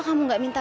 if kamu gak minta